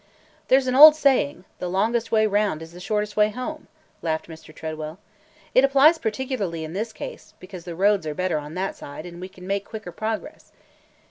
"There 's an old saying, 'The longest way round is the shortest way home'!" laughed Mr. Tredwell. "It applies particularly in this case, because the roads are better on that side and we can make quicker progress.